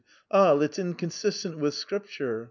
Ah, it's inconsistent with Scripture!'